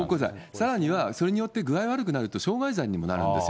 さらにはそれによって具合悪くなると、傷害罪にもなるんですよ。